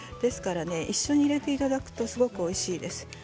一緒に入れていただくとすごくおいしいです。。